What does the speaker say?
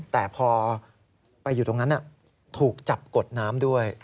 แต่พอไปอยู่ตรงนั้นถูกจับกดน้ำด้วย